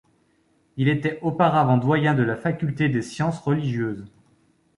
Il était auparavant doyen de la Faculté des sciences religieuses.